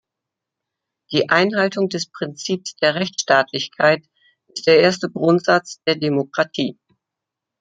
Die Einhaltung des Prinzips der Rechtsstaatlichkeit ist der erste Grundsatz der Demokratie.